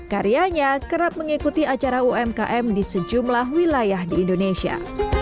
karyanya kerap mengikuti acara umkm di sejumlah wilayah di indonesia